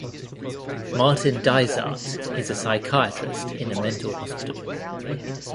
Martin Dysart is a psychiatrist in a mental hospital.